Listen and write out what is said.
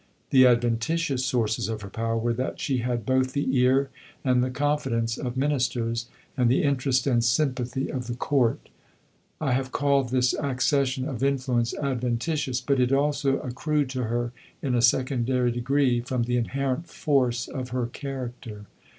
The adventitious sources of her power were that she had both the ear and the confidence of Ministers, and the interest and sympathy of the Court. I have called this accession of influence "adventitious," but it also accrued to her, in a secondary degree, from the inherent force of her character.